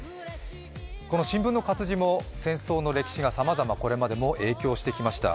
この新聞の活字も戦争がこれまでも影響してきました。